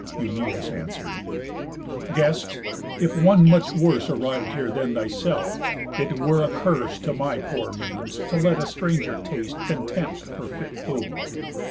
Eumæus answer'd: "Guest! If one much worse Arriv'd here than thyself, it were a curse To my poor means, to let a stranger taste Contempt for fit food.